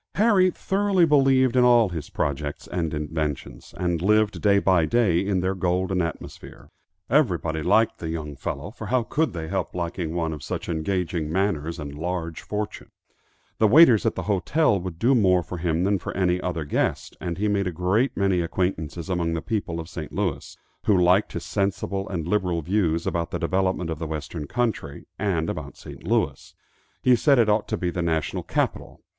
Harry thoroughly believed in all his projects and inventions, and lived day by day in their golden atmosphere. Everybody liked the young fellow, for how could they help liking one of such engaging manners and large fortune? The waiters at the hotel would do more for him than for any other guest, and he made a great many acquaintances among the people of St. Louis, who liked his sensible and liberal views about the development of the western country, and about St. Louis. He said it ought to be the national capital.